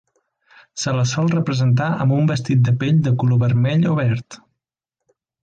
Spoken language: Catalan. Se la sol representar amb un vestit de pell de color vermell o verd.